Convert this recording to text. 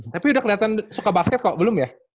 tapi udah kelihatan suka basket kok belum ya